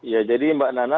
ya jadi mbak nanda